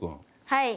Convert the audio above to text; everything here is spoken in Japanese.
はい。